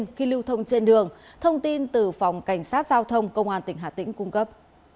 khi lưu thông trên đường thông tin từ phòng cảnh sát giao thông công an tỉnh hà tĩnh cung cấp